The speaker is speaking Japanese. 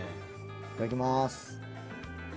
いただきます。